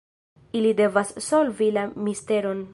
Ili devas solvi la misteron.